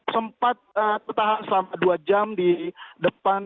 sempat bertahan selama dua jam di lampung